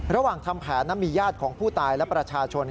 ระหว่างทำแผนมีญาติของผู้ตายและประชาชน